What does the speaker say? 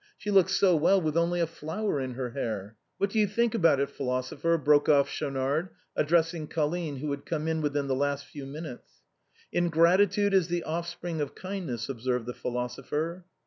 She looks so well with only a flower in her hair. What do you think about it, philosopher ?" broke off Schaunard, addressing Colline, who had come in within the last few minutes, " Ingratitude is the ofi'spring of kindness," observed the philosopher.